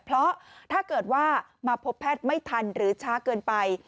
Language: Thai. เพราะถ้าเกิดว่ามาพบแพทย์ไม่ทันหรือช้าเกินไป